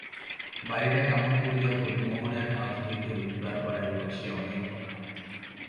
বাড়িটা কেমন করিয়া হরিমোহনের হাত হইতে উদ্ধার করা গেল সে অনেক কথা।